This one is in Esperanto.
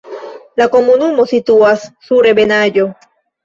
La komunumo situas sur ebenaĵo.